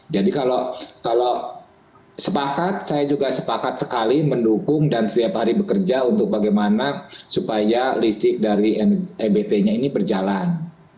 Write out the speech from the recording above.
jadi kalau sepakat saya juga sepakat sekali mendukung dan setiap hari bekerja untuk bagaimana supaya listrik dari ebt nya ini berjalan